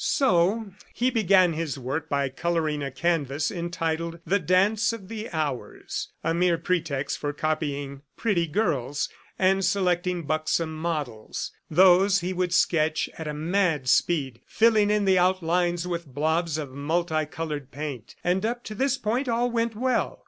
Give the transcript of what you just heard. ... So he began his work by coloring a canvas entitled, "The Dance of the Hours," a mere pretext for copying pretty girls and selecting buxom models. These he would sketch at a mad speed, filling in the outlines with blobs of multi colored paint, and up to this point all went well.